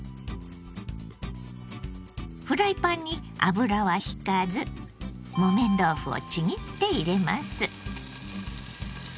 フライパンに油はひかず木綿豆腐をちぎって入れます。